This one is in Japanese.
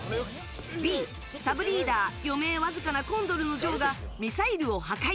Ｂ、サブリーダー余命わずかなコンドルのジョーがミサイルを破壊。